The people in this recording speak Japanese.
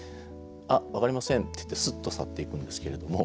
「あっ分かりません」って言ってすっと去っていくんですけれども。